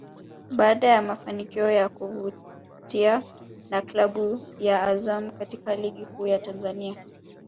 Baada ya mafanikio ya kuvutia na klabu ya Azam katika Ligi Kuu ya Tanzania